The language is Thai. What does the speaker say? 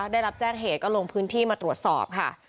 ได้รับแจ้งเหตุก็ลงพื้นที่มาตรวจสอบค่ะ